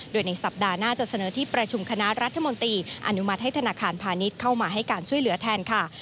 โดยในสัปดาห์หน้าจะเสนอที่ประชุมคณะรัฐมนตรีอนุมัติให้ธนาคารพาณิชย์เข้ามาให้การช่วยเหลือแทนค่ะ